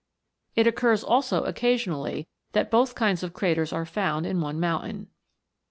It occurs also occasionally that both kinds of craters are found in one mountain.